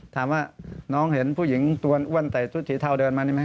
ถามว่าน้องเห็นผู้หญิงตัวอ้วนใส่ชุดสีเทาเดินมานี่ไหม